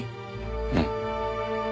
うん。